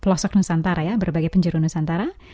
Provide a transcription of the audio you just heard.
pelosok nusantara ya berbagai penjuru nusantara